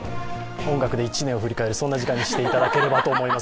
音楽で１年を振り返る時間にしていただければと思います。